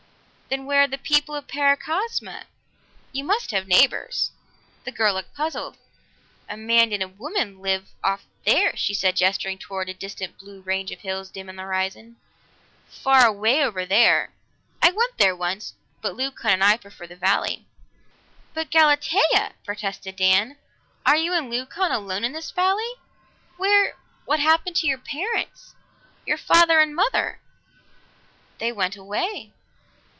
"Then where are the people of Paracosma? You must have neighbors." The girl looked puzzled. "A man and a woman live off there," she said, gesturing toward a distant blue range of hills dim on the horizon. "Far away over there. I went there once, but Leucon and I prefer the valley." "But Galatea!" protested Dan. "Are you and Leucon alone in this valley? Where what happened to your parents your father and mother?" "They went away.